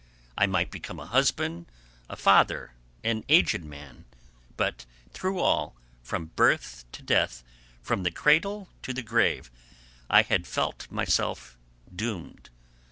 I might become a husband, a father, an aged man, but through all, from birth to death, from the cradle to the grave, I had felt myself doomed.